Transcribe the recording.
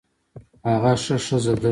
هغه ښه ښځه ده